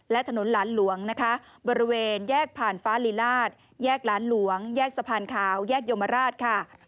และถนนหลานหลวงนะคะบริเวณแยกผ่านฟ้าลีราชแยกหลานหลวงแยกสะพานขาวแยกยมราชค่ะ